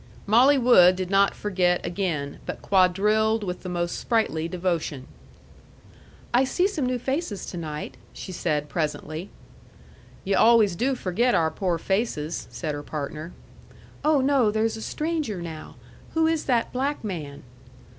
Molly Wood did not forget again, but quadrilled with the most sprightly devotion. "I see some new faces to night," said she, presently. "Yu' always do forget our poor faces," said her partner. "Oh, no! There's a stranger now. Who is that black man?"